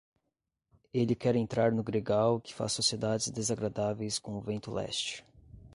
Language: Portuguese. Ele quer entrar no gregal, que faz sociedades desagradáveis com o vento leste.